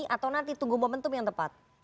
atau nanti tunggu momentum yang tepat